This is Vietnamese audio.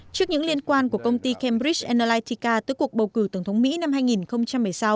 trước những liên quan của công ty cambridge analytica tới cuộc bầu cử tổng thống mỹ năm hai nghìn một mươi sáu